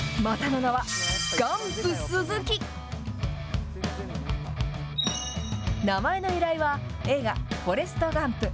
名前の由来は映画、フォレスト・ガンプ。